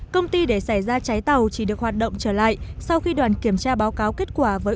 công ty để xảy ra cháy tàu chỉ được hoạt động trở lại sau khi đoàn kiểm tra báo cáo kết quả với